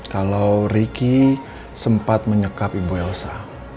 kalau riki sempat menyekap ibu elsa